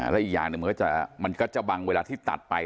และอีกอย่างหนึ่งมันก็จะบังเวลาที่ตัดไป